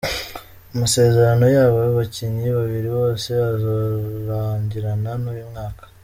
Amasezerano y'abo bakinyi babiri bose azorangirana n'uyu mwaka.